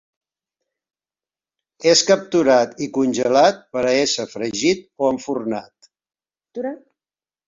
És capturat i congelat per a ésser fregit o enfornat.